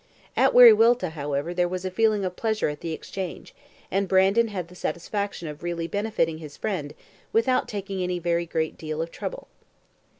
At Wiriwilta, however, there was a feeling of pleasure at the exchange, and Brandon had the satisfaction of really benefiting his friend without taking any very great deal of trouble.